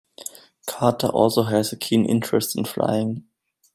Carter also has a keen interest in flying.